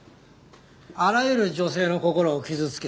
あらゆる女性の心を傷つけ